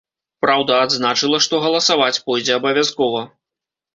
Праўда, адзначыла, што галасаваць пойдзе абавязкова.